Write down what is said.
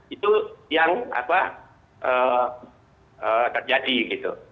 itu yang terjadi gitu